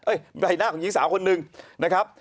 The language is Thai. ใบหน้าของหญิงสาวคนหนึ่งนะครับ